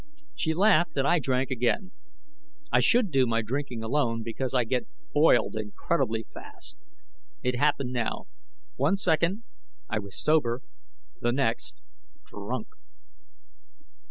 She laughed, and I drank again. I should do my drinking alone because I get boiled incredibly fast. It happened now. One second I was sober; the next, drunk.